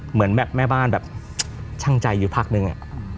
เหมือนแบบแม่บ้านแบบชั่งใจอยู่พักหนึ่งเนี้ย